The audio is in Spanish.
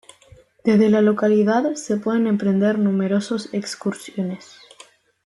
Desde la localidad se pueden emprender numerosos excursiones.